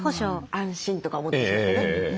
安心とか思ってしまってね。